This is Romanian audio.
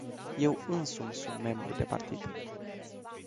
Eu însumi sunt membru de partid.